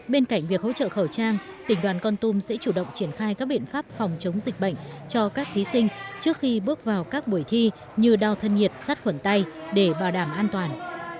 bên cạnh việc hỗ trợ khẩu trang tỉnh đoàn con tum sẽ chủ động triển khai các biện pháp phòng chống dịch bệnh cho các thí sinh trước khi bước vào các buổi thi như đau thân nhiệt sát khuẩn tay để bảo đảm an toàn